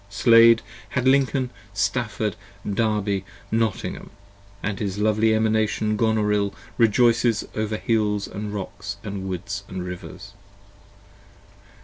Slade had Lincoln, Stafford, Derby, Nottingham, & his lovely 35 Emanation Gonorill rejoices over hills & rocks & woods & rivers.